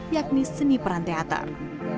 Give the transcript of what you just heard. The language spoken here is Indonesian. yakni seni peran teater